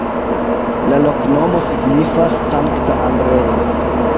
La loknomo signifas: Sankta Andreo.